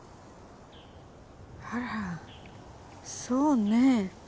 あらそうね